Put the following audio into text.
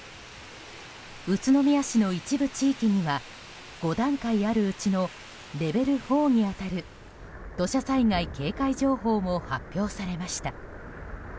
宇都宮市の一部地域には５段階あるうちのレベル４に当たる土砂災害警戒情報も発表されました。